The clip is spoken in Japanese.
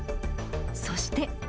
そして。